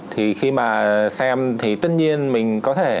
thì khi mà xem thì tất nhiên mình có thể